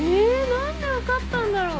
何で分かったんだろう。